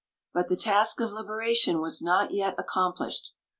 But the task of liberation was not yet accomplished.